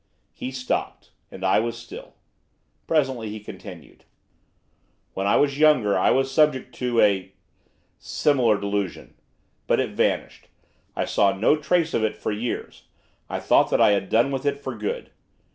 He stopped. And I was still. Presently he continued. 'When I was younger I was subject to a similar delusion. But it vanished, I saw no trace of it for years, I thought that I had done with it for good.